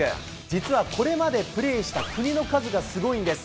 実はこれまでプレーした国の数がすごいんです。